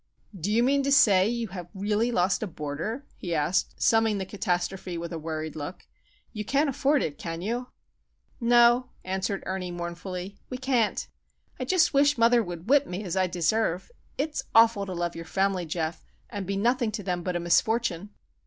"Do you mean to say you have really lost a Boarder?" he asked, summing the catastrophe with a worried look. "You can't afford it, can you?" "No," answered Ernie, mournfully, "we can't. I just wish mother would whip me, as I deserve. It's awful to love your family, Geof, and be nothing to them but a misfortune.